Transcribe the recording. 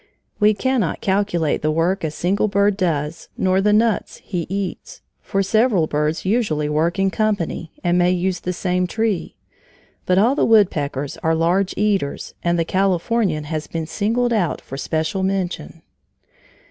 We cannot calculate the work a single bird does nor the nuts he eats, for several birds usually work in company and may use the same tree; but all the woodpeckers are large eaters, and the Californian has been singled out for special mention.